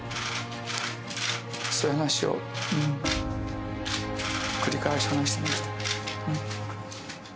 そういう話を繰り返し話しました。